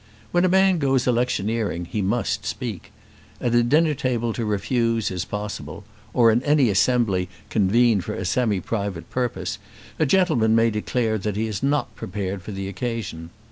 When a man goes electioneering, he must speak. At a dinner table to refuse is possible: or in any assembly convened for a semi private purpose, a gentleman may declare that he is not prepared for the occasion.